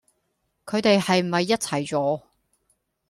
佢地係咪一齊咗？